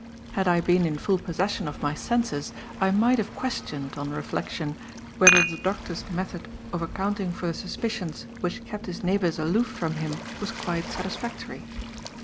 Had I been in full possession of my senses, I might have questioned, on reflection, whether the doctor's method of accounting for the suspicions which kept his neighbors aloof from him, was quite satisfactory.